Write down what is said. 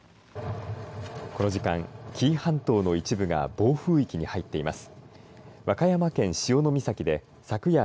この時間、紀伊半島の一部が暴風域に入っています。